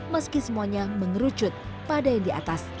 meski semuanya mengerucut pada yang diatas